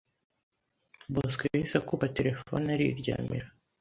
Bosco yahise akupa telephone ariryamira